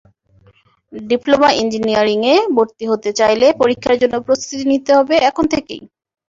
Diploma ইঞ্জিনিয়ারিংয়ে ভর্তি হতে চাইলে পরীক্ষার জন্য প্রস্তুতি নিতে হবে এখন থেকেই।